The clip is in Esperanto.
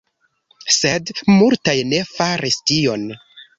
Sed multaj ne faris tion.